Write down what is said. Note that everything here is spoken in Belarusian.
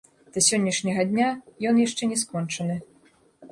Да сённяшняга дня ён яшчэ не скончаны.